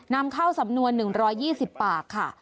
นำเข้าสำนวน๑๒๐ปากค่ะ